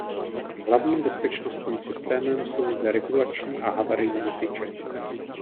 Hlavním bezpečnostním systémem jsou zde regulační a havarijní tyče.